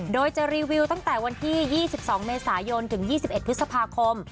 โดยจะรีวิวตั้งแต่วันที่๒๒เมษายนถึง๒๑พฤษภาคม